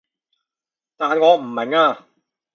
但我唔明啊